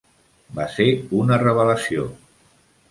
Va ser una revelació!